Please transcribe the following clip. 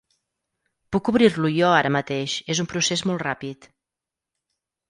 Puc obrir-lo jo ara mateix, és un procés molt ràpid.